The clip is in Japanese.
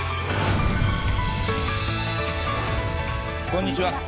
こんにちは。